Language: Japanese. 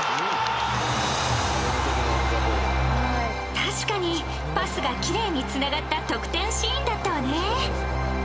確かにパスがきれいにつながった得点シーンだったわね。